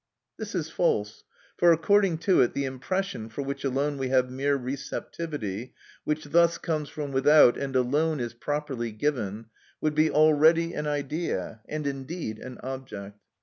This is false; for according to it the impression, for which alone we have mere receptivity, which thus comes from without and alone is properly "given," would be already an idea, and indeed an object.